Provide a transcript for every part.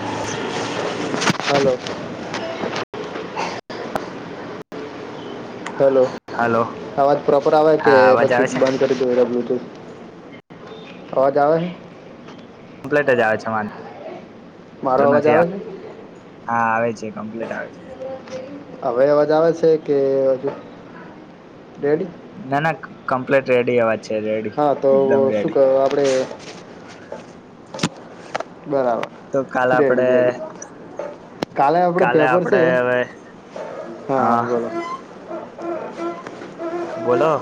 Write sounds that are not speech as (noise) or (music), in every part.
(unintelligible) Hello. Hello, hello અવાજ proper આવે કે હા અવાજ પછી આવે છે બંધ (unintelligible) અવાજ આવે? કમ્લેટ જ આવે છે વાન. મારો તો અવાજ નથી આવે હા, છે આવે છે કમ્પ્લીટ આવે છે. હવે અવાજ આવે છે કે રેડી. ના ના કમ્પ્લેટ રેડી અવાજ છે રેડી હા એકદમ રેડી. તો આપડે. બરાબર. તો કાલે આપડે રેડી રેડી, કાલે આપડે પેપર આપડે છે હવે હા, બોલો. બોલો.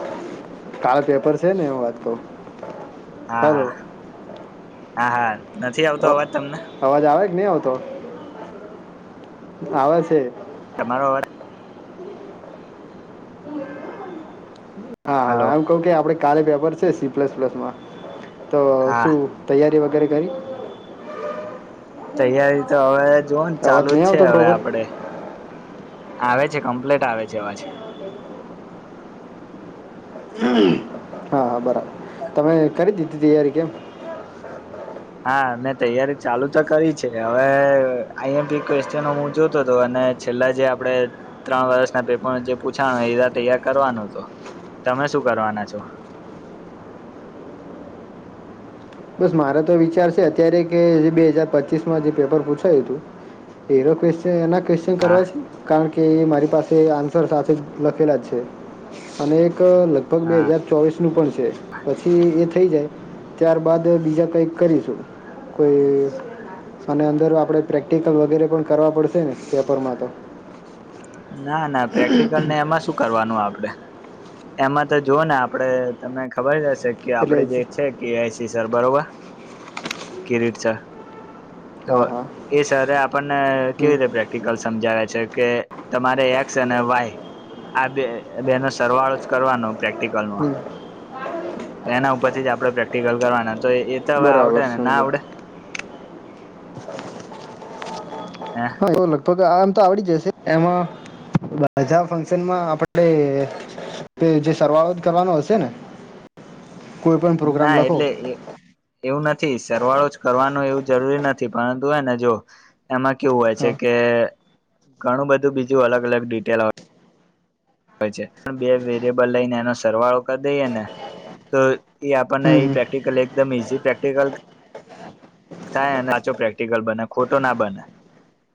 કાલ પેપર છે ને એ વાત ક‌ઉ. હા હા, હા હા, નથી આવતો અ- અવાજ તમને? અવાજ આવે કે ની આવતો? આવે છે. તમારો અવાજ હા હલો હા, એમ કવ કે આપડે કાલે પેપર છે સી પ્લસ પ્લસમાં. તો હા શું તૈયારી વગેરે કરી? તૈયારી તો હવે જુઓ ને અવાજ ચાલુ જ નહીં છે આવતો હવે પ્રોપર આપડે. આવે છે કમ્પ્લેટ આવે છે અવાજ. હા હા, બરાબર તમે કરી દીધી તૈયારી કેમ હા, મેં તૈયારી ચાલુ તો કરી છે હવે આઈ એમપી ક્વેશ્ચન હું જોતો હતો અને છેલ્લા જે આપડે ત્રણ વર્ષના પેપર જે પૂછાવા એ તૈયાર કરવાનો હતો. તમે શું કરવાના છો? બસ મારો તો વિચાર છે અત્યારે કે જે બે હજાર પચીસમાં જે પેપર પૂછાયું હતું. એનો ક્વેશ્ચન એના ક્વેશ્ચન હા કરવા છે? કારણ કે એ મારી પાસે આન્સર સાથે જ લખેલા છે અને એક અ લ લગભગ બે હા હજાર ચોવીસનું પણ છે પછી એ થઈ જાય ત્યારબાદ બીજા કઈક કરીશું. કોઈ અને અંદર આપડે પ્રેક્ટિકલ વગેરે પણ કરવા પડશે ને પેપરમાં તો? ના ના, પ્રેક્ટિકલને એમાં શું કરવાનું આપડે એમાં તો જોવોને આપડે તમને ખબર હશે કે આપડે એટલે જે જ છે કે આયસી સર બરોબર કિરીટ સર. તો હા હા એ સરે આપણને હમ કેવી રીતે પ્રેક્ટિકલ સમજાવે છે કે તમારે એક્સ અને વાય આ બે બેનો સરવાળો જ કરવાનો પ્રેક્ટિકલમાં. હમ એના ઉપરથી જ આપણે પ્રેક્ટિકલ કરવાના તો એ તો હવે આવડે બરાબર ને ના સમજો આવડે. હા. તો લગભગ આ આમ તો આવડી જશે એમાં (unintelligible) ફંક્શનમાં આપણને તે જે સરવાળો જ કરવાનો હશે ને કોઈ પણ પ્રોગ્રામ ના લખો. એટલે એવું નથી સરવાળો જ કરવાનું એવું જરૂરી નથી પરંતુ હેને જો એમાં કેવું હોય છે હા કે ઘણું બધું બીજું અલગ અલગ ડિટેલ આવ પચે બે વેરિયેબલ લઈને એનો સરવાળો કરી દઈએ ને તો એ આપણને હમ એ હમ પ્રેક્ટિકલ એકદમ ઈઝી પ્રેક્ટિકલ (inaudible) થાય અને પાછુ પ્રેક્ટિકલ બને ખોટોના બને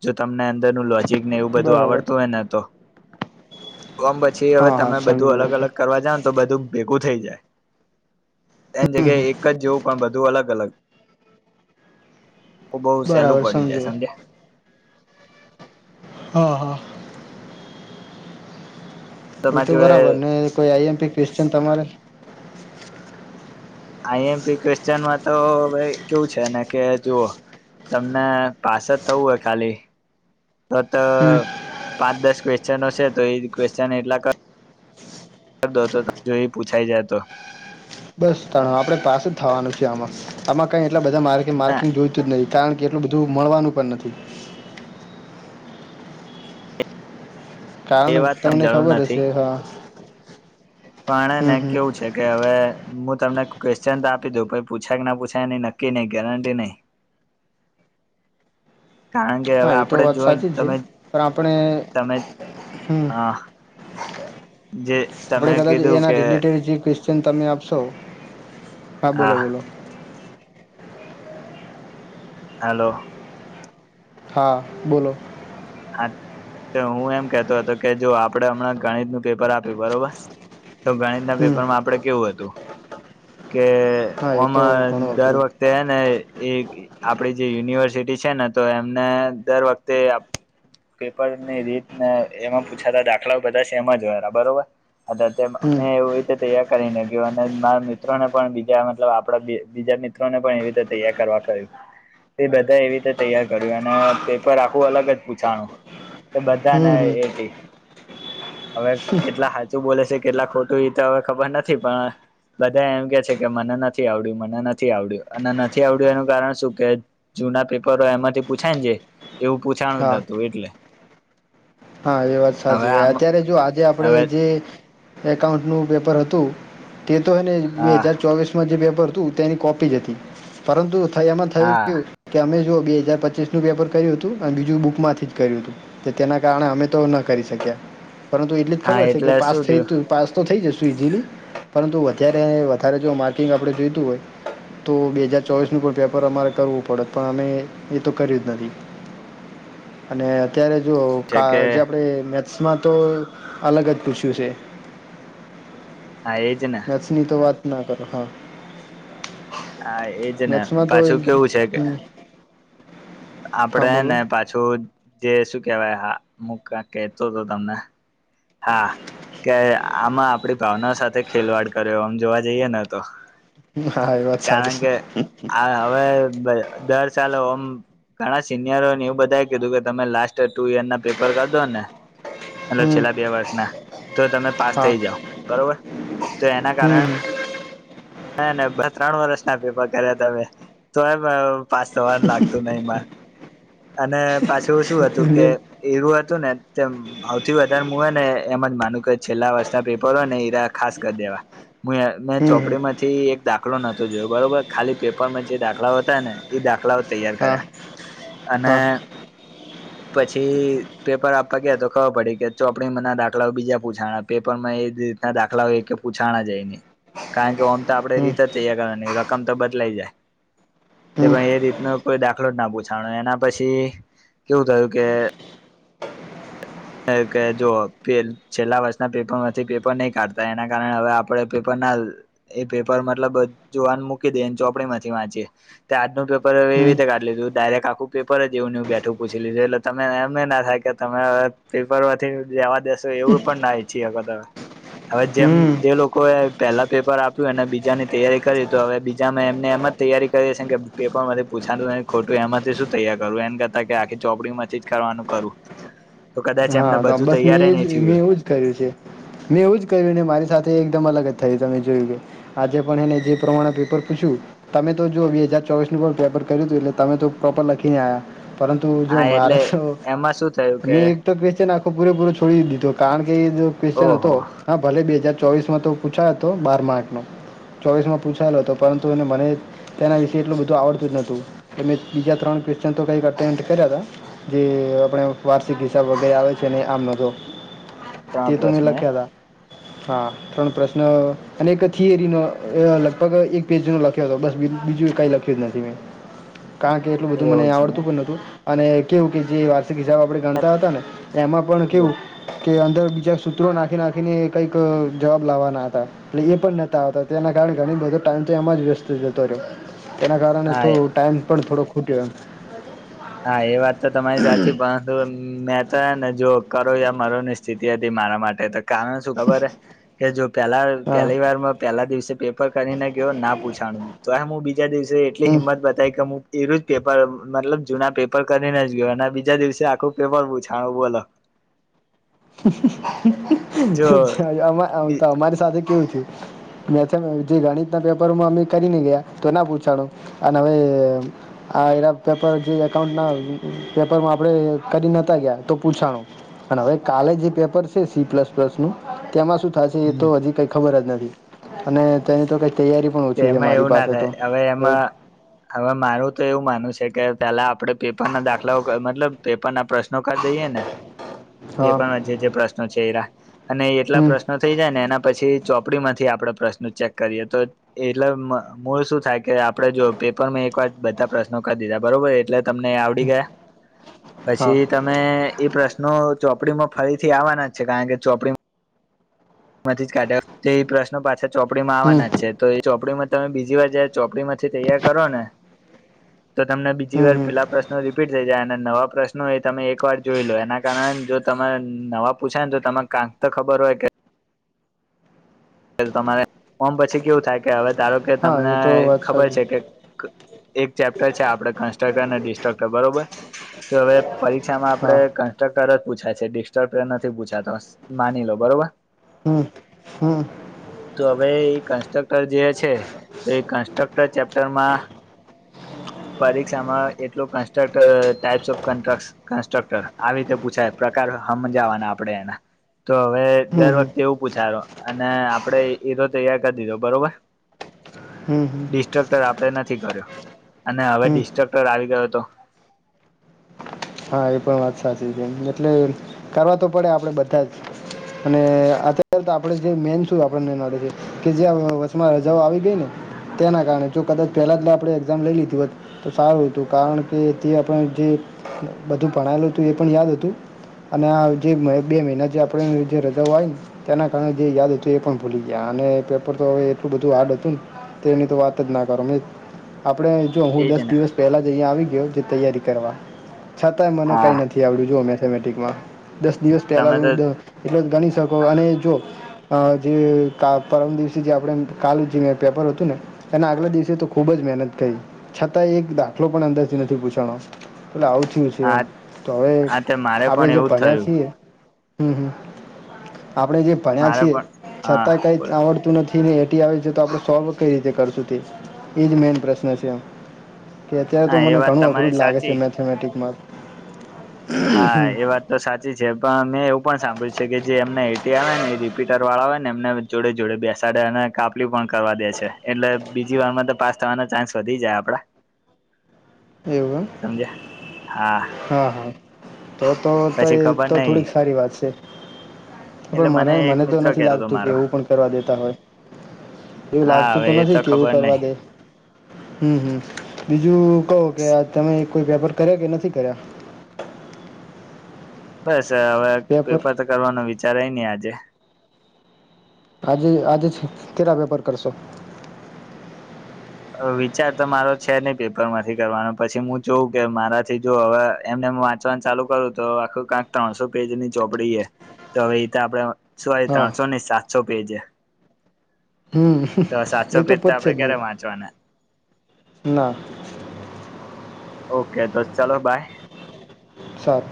જો તમને અંદરનું લો જીકને એવું બધું બરાબર આવડતું હોય ને તો ઓમ પછી હવે હા હા તમે બધું સમજ્યો અલગ એ તો અલગ કરવા જા ને તો બધું ભેગું થઈ જાય એની જગ્યાએ એક એક જ જેવું પણ બધું અલગ અલગ. તો બઉ સહેલું બરાબર પડી જાય સમજ્યો સમજ્યા. હ હ. તમારી ઈતો જોડે બરાબર ને કોઈ આઈ. એમ. પી. ક્વેશ્ચન તમારે. આઈ. એમ. પી. ક્વેશ્ચનમાં તો હવે કેવું છે ને કે જો તમને પાસે જ થવું હોય ખાલી તો તો હમ પાંચ દસ ક્વેશ્ચનો છે તો એ ક્વેશ્ચન એટલા કર દો તો જો એ પૂછાઈ જાય તો. બસ તાણ આપણે પાસ જ થવાનું છે આમાં આમાં કઈ એટલા બધા માર્ક ના માર્કિંગ જોય તું નહીં, કારણ કે એટલું બધું મળવાનું પણ નથી. એ કારણ વાત ત તમને જરૂર ખબર નથી હશે, હા. પણ હે ને, હમ હમ કેવું છે. છે કે હવે હું તમને ક્વેશ્ચન તો આપી દઉં, પછી પૂછાય કે ના પૂછાય, એની નક્કી નહીં ગેરંટી નહીં. કારણ કે હવે હા એ તો આપણેે વાત જોય સાચી જ છે તમે પણ આપણે તમે હ. આપડે કદાચ કીધું એના કે રિલેટેડ ક્વે ચન તમે આપશો હા બોલો બોલો. તો હા, બોલો. હા તો હું એમ કેતો હતો કે જો આપડે હમણાં ગણિતનું પેપર આપ્યું બરોબર તો ગણિત ના હમ પેપરમાં આપડે કેવું હતું કે? હા એ ઓમ તો અ ઘણું દર અઘરું વખ તે હે ને, એ આપડી જે યુનિવર્સિટી છે ને, તો એમને દર વખતે પેપરની રીત ને એમાં પૂછાતા દાખલાઓ બધા સેમ જ હોય, બરોબર. અ હમ મેં એવું રીતે તૈયાર કરીને ગયું, અને મારા મિત્રો ને પણ, બીજા મતલબ આપડા બીજા મી ત્રણે ને પણ એવી રીતે તૈયાર કરવા કહ્યું. એ બધા એવી રીતે તૈયાર કર્યું, અને પેપર આખું અલગ જ પૂ છાણું તો બધાને હમ હમ એ. ટી. હવે કેટલા હાચું બોલે છે કેટલા ખોટું, એ તો હવે ખબર નથી, પણ બધા એમ કે છે કે, મને નથી આવડ્યું, મને નથી આવડ્યું. અને નથી આવડ્યું એનું કારણ શું કે જૂના પેપરો એમાંથી પૂછાય ને, જે એવું પૂછાણું જ હા નતું, એટલે હા, એ વાત હવે સાચી. આમ અત્યારે જો આજે હવે આપડે જે એકાઉન્ટનું પેપર હતું. તે તો હને, બે હા હજાર ચોવીસમાં જે પેપર હતું, તેની કોપી જ હતી. પરંતુ થઈ એમાં થયું હા કેઉ. કે અમે જો બે હાજાર પચીસ નું પેપર કર્યું હતું અને બીજું બુક માંથી જ કર્યું હતું, તેના. કારણે, અમે તો ન કરી શક્યા, પરંતુ એટલી હા ખબર છે કે એટલે પાસ શું થઈશું, થયું તું પાસ. તો થઈ જશું ઇઝીલી, પરંતુ વધારે વધારે જો માર્કિંગ આપણે જોઈતું હોય. તો બે હજાર ચોવીસ નું પણ પેપર અમારે કરવું પડે, પણ અમે એ તો કર્યું જ નથી. અને અત્યારે જો. છે કા કે જે આપડે મેથ્સમાં તો અલગ જ પૂછ્યું છે. હા, એજ ને. સી ની તો વાત ના કરો, હા. હા, એજ ને, મેથ્સમાં તો પાછું કેવું છે કે હમ આપડે હા બોલો હેને, પાછું જે શું કેવાય, હા, હું કાક કેતો હતો તમને. હા, કે આમાં આપડી ભાવના સાથે ખેલવાડ કર્યો, ઓમ જોવા જઈએ ને તો. હમ્મ, હા, એ વાત કારણ સાચી કે છે. આ હવે દર સાલ ઓમ. ઘણા સિનિયરોને એવું બધા કીધું કે, તમે લાસ્ટ ટુ ઈયર ના પેપર કરી દો ને. મતલબ હમ છેલ્લા બે વર્ષના તો તમે પાસ હા થઈ જાઓ, બરોબર? તો એના કારણે હમ હેને ત્રણ વર્ષના પેપર કર્યા તા મે તો એ. પાસ થવાનું લાગતું નઈ મારુ, અને પાછું શું હતું કે હમ એવું હતું ને તેમ. આવથી વધારે મુું હોય ને, એમ જ માનું કે છેલ્લા વર્ષના પેપર હોય ને, ઈરા ખાસ કરી દેવા. હું ને હમ ચોપડી માંથી. થી એક દાખલો નતો જોયો, બરોબર? ખાલી પેપરમાં જે દાખલાઓ હતા ને, એ દાખલાઓ તૈયાર હા કર્યા. અને. હ (inaudible) પછી પેપર આપવા ગયા તો ખબર પડી કે ચોપડી માના દાખલાઓ બીજા પૂછાના પેપર માં એ દાખલા એ કે પૂછાણા જાયને, કારણ કે આપણે હમ રીતે જ તૈયાર કરવાની, રકમ તો બદલાઈ જાય. તે હમ ભાઈ, એ રીતનો કોઈ દાખલો જ ના પૂછાનો. એના પછી કેવું થયું કે કે જુઓ, છેલ્લા વર્ષના પેપરમાંથી પેપર નહીં કાઢતા, એના કારણે હવે આપણે પેપરના એ પેપર મતલબ જોવાનું મૂકી દેને ચોપડીમાંથી વાંચીએ તે આજનું પેપર એવી હમ રીતે કાઢી લીધું કે ડાયરેક્ટ આખું પેપર એવું ને એવું બેઠું પૂછી લીધું તમે એમ ના થાય કે, તમે હવે પેપર પતિને જેવા દસો, એવું પણ ના ઈચ્છી હવે, જેમ હમ જે લોકો એ પહેલા પેપર આપ્યું અને બીજાની તૈયારી કરી, તો હવે બીજામાં એમને એમ જ તૈયારી કરી છે કે પેપર માંથી પૂછાનું નથી, ખોટું એમાંથી શું તૈયાર કરવું? એને કરતા કે આખી ચોપડી માંથી જ કરવાનું કરું. હા તો બસ મેં એજ નહી થયું હોય મેં એવું જ કર્યું છે. મેં એવું જ કર્યું ને મારી સાથે એકદમ અલગ જ થયું તમે જોયું કે આજે પણ એને જે પ્રમાણે પેપર પૂછ્યું તમે તો જો બે હજાર ચોવીસ નું પણ પેપર કર્યું હતું એટલે તમે તો પ્રોપર લખીને આયા. પરંતુ જો હા મારે એટલે તો એમાં શું થયું કે મે એક તો કે આખો પૂરેપૂરો છોડી દીધું કારણ કે જો ક્વેશન હતો. ઓહો હા ભલે બે હજાર ચોવીસમાં તો પૂછાય હતો બાર માર્ક નો ચોવીસ માં પૂછાયેલો હતો પરંતુ એને મને તેના વિશે એટલું બધું આવડતું જ નતું બીજા ત્રણ ક્વેશન તો કંઈક અટેન્ડ કર્યા હતા. જે આપણે વાર્ષિક હિસ્સા વગેરે આવે છે. (unintelligible) આમનોધો તો ત્રણ તે તોમે પ્રશ્ન એમ લખ્યા હતા હા ત્રણ પ્રશ્ન અને એક થિયરીનોો લગભગ એક પેજ નો લખ્યો હતો બસ બીજું કઈ લખ્યું કલખ્યું જ નથી મેં કારણ કે એટલું બધું મને એવું છે આવડતું પણ નતું અને કેવું કે જે વાર્ષિક હિસાબો આપણે ગણતા હતા ને એમાં પણ જો કેવું કે અંદર બીજા સૂત્રો નાખી નાખીને કઈક જવાબ લાવવાના હતા. એટલે એ પણ નતા આવતા તેના કારણે ઘણી બધો ટાઈમ તો એમાં જ વેસ્ત જતો રહ્યો. તેના કારણે હા થો ટાઈમ પણ થોડો ખૂટ્યો હા એ વાત તો તમારી સાચી પણ મેં તો હે ને જો કરો યા મરો ની સ્થિતિ હતી મારા માટે તો કારણ શું ખબર હે કે જો પેલા હા પહેલી વારમાં પેલા દિવસે પેપર કરીને ગયો ના પૂછાનું તો હું બીજા દિવસે એટલી હમ હિંમત, બતાવી કે હું એરું જ પેપર મતલબ જૂના પેપર કરીને જ ગયો અને બીજા દિવસે આખું પેપર પૂછાણું બોલો (inaudible) જો તો અમારી સાથે કેવું થયું. મે જે ગણિત ના પેપરમાં અમે કરી ને ગયા તો ના પૂછાણું અને અવે આ એ પેપર જે એકાઉન્ટ ના પેપરમાં આપડે કરી નતા ગયા તો પુંછાણું અને હવે કાલે જે પેપર છે સી પ્લસ પ્લસ નું તેમાં શું થશે એ હમ, તો હજી કઈક ખબર જ નથી અને તેની તો કંઈ તૈયારી પણ તો ઓછી છે, એમાં મારી એવું ના પાસે તો થાય હવે એમાં હવે મારું તો એવું માનું છે કે પેલા આપડે પેપર ના દાખલાઓ મતલબ પેપર ના પ્રશ્નો કરી દઈએ ને (inaudible) પેપરમાં જે જે પ્રશ્નો છે એરા અને એટલા હમ પ્રશ્નો થઈ જાય ને એના પછી ચોપડીમાંથી આપડે પ્રશ્નો ચેક કરીએ તો એટલે મૂળ શું થાય કે આપડે જો પેપર માં એક વાર બધા પ્રશ્નો કરી દીધા બરોબર એટલે તમને આવડી ગયા હા પછી ત અ એ પ્રશ્નો ચોપડીમાં ફરીથી આવવાના જ છે કારણ કે ચોપડીમાં નથી જ કાઢ્યા તે એ પ્રશ્નો પાછા હમ ચોપડીમાંવાના નથી. છ તો એ ચોપડીમાં તમે બીજી વાર જયારે ચોપડી માંથી તૈયાર કરો ને હ તો તમને બીજી વાર પેલા પ્રશ્નો રિપીટ થઈ જાય અને નવા પ્રશ્નો એ તમે એક વાર જોઈ લો એના કાર જો તમે નવા પૂછાય ને તો ત કાંક તો ખબર હોય કે તમારે ઓમ પછી કેવું થાય કે હવે ધારો કે હા તમને એ તો વાત ખબર સાચી છે કે એક ચેપ્ટર છે આપડ કન્સ્ટ્રક્ટર અને ડિસ્ટ્રક્ટર બરોબર તો હવે પરીક્ષામાં આપડે હા કન્સ્ટ્રક્ટર જ પૂછાય છે, ડિસ્ટર્બ નથી પૂછાતો માની લો બરોબર હા હા તો હવે એ કન્સ્ટ્રક્ટર જે છે તો એ કન્સ્ટ્રક્ટર ચેપ્ટરમાં પરીક્ષામાં એટલું કન્સ્ટર ટાઈપ્સ ઓફ કન્ટ્રક્ટ. કન્સ્ટ્રક્ટર આવી રીતે પૂછાય પ્રકાર સમજાવાના આપડે એના તો હવે દર હમ વખતે એવું પૂછાયો અને આપડે એ તો તૈયાર કરી દીધો બરોબર હમ હમ ડિસ્ટ્રક્ટર આપણે નથી કર્યો. અને હવે હમ ડિસ્ટ્રક્ટર આવી ગયો તો હા એ પણ વાત સાચી છે. એમ એટલે કરવા તો પડે આપણે બધાં જ. અને અત્યારે તો આપણે જે મેન શું આપણને નડે છે. કે જે આ વચમાં રજાઓ આવી ગઈ ને તેના કારણે જો કદાચ પેલા જ આપણે એક્ઝામ લઈ લીધી હોત તો સારું હતું કારણ કે તે આપણને જે બધું ભણાયેલું હતું એ પણ યાદ હતું. અને આજે બે મહિના જે આપણે જે રજાઓ આઈ ન તેના કારણે જે યાદ હતું એ પણ ભૂલી ગયા. અને પેપર તો હવે એટલું બધું હાર્ડ હતું ન. તેની તો વાત જ ના કરો. મેં આપણે જો હું દસ એજ ને દિવસ પહેલા જ અહીંયા આવી ગયો કે તૈયારી કરવા. છતાંય મને હા કંઈ નથી આવડ્યું જુઓ મેથેમેટિકમાં દસ દિવસ પહેલા તો દ એટલો જ ગણી શકો અને જો અ જે કા પરમ દિવસે જે આપડે કાલુ જે પેપર હતું ને એના આગલા દિવસે તો ખુબ જ મહેનત કરી. છતાંય એક દાખલો પણ અંદરથી નથી પૂછાણો. એટલે આવું થયું છે હા એમ. તો હવે હા તે મારે આપડે પણ જે એવું જ ભણ્યા થયું છીએ હમ હમ. આપણેે જે ભણ્યા મારે છીએ પણ હા છતાંય કઈ બોલો આવડતું નથ ને એટી આવે છે તો આપણે સોલ્વ કઈ રીતે કરશું તે. એ જ મેન પ્રશ્ન છે એમ. કે અત્યારે તો હા એ મને વાત ઘણું અઘરું તમારી જ લાગે છે સાચી મેથેમેટિકમાં. હા એ વાત તો સાચી છે. પણ મેં એવું પણ સાંભળ્યું છે કે જે એમને એટી આવે ને એ રીપીટરવાળા હોય ને એમને જોડે જોડે બેસાડે અને કાપલી પણ કરવા દે છે. એટલે બીજી વારમાં તો પાસ થવાના ચાન્સ વધી જાય આપણા. એવું એમ? સમજયા હા. હા હા. તો તો તો પછી એ ખબર તો નહિ થોડીક સારી વાત છે. એટલે પણ મરે એક મને તો મિત્ર નથી કેતો હતો લાગતું કે મારો એવું પણ કરવા દેતા હોય. એવું હા લાગતું હવે તો એ નથી કે એવું ખબર નહિ કરવા દે. હમ હમ. બીજું કોકે આજ તમે કોઈ પેપર કર્યા કે નથી કર્યા? બસ હવે પેપર તો કરવાનો વિચાર હે નહી આજે. આજે આજે કેટલા પેપર કરશો? અ વિચાર તો મારો છે નહી પેપરમાંથી કરવાનો પછી હું જોઉં કે મારાથી જો હવે એમને એમ વાંચ ચવાનું ચાલુ કરું તો આખું કાક ત્રણસો પેજની ચોપડી હે. તો હવે ઈતે આપડ સોરી હા ત્રણસો ની સાતસો પેજ હે. હમ તો સાતસો એ પેજ તો પતશે આપડે જ ક્યારે નહીં વાંચવાના? ના ઓકે તો ચલો બાય. સાત